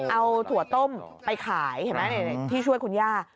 เอาถั่วต้มไปขายที่ช่วยคุณย่า